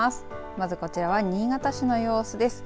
まずこちらは新潟市の様子です。